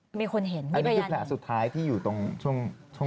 อันนี้คือแผลสุดท้ายที่อยู่ตรงช่วง